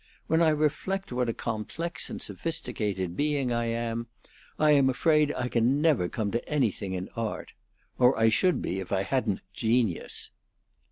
When I reflect what a complex and sophisticated being I am, I'm afraid I can never come to anything in art. Or I should be if I hadn't genius."